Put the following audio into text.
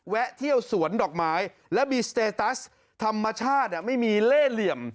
เที่ยวสวนดอกไม้และมีสเตตัสธรรมชาติไม่มีเล่เหลี่ยม